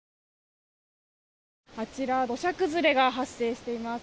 あちら土砂崩れが発生しています。